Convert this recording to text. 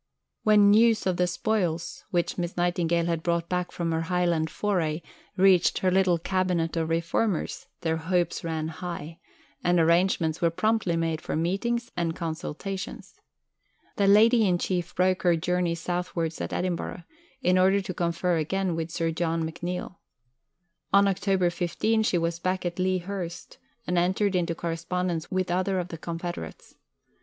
VI When news of the spoils, which Miss Nightingale had brought back from her Highland "foray," reached her little "Cabinet" of reformers, their hopes ran high, and arrangements were promptly made for meetings and consultations. The Lady in Chief broke her journey southwards at Edinburgh, in order to confer again with Sir John McNeill. On October 15 she was back at Lea Hurst, and entered into correspondence with other of the confederates.